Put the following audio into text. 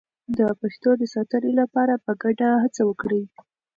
د پښتو د ساتنې لپاره په ګډه هڅه وکړئ.